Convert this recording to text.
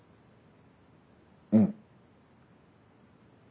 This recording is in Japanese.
うん。